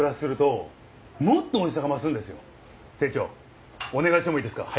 店長お願いしてもいいですか。